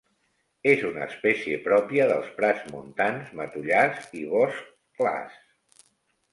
És una espècie pròpia dels prats montans, matollars i boscs clars.